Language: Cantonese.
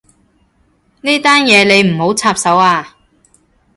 呢單嘢你唔好插手啊